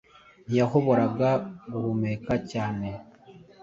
Ntiyahoboraga guhumeka cyane